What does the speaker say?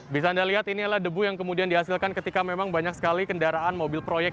bisa anda lihat ini adalah debu yang kemudian dihasilkan ketika memang banyak sekali kendaraan mobil proyek